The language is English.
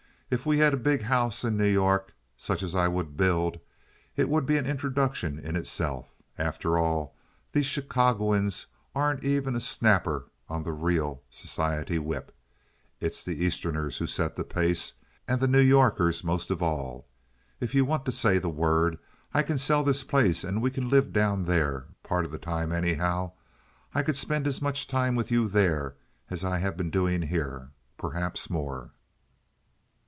If we had a big house in New York, such as I would build, it would be an introduction in itself. After all, these Chicagoans aren't even a snapper on the real society whip. It's the Easterners who set the pace, and the New Yorkers most of all. If you want to say the word, I can sell this place and we can live down there, part of the time, anyhow. I could spend as much of my time with you there as I have been doing here—perhaps more."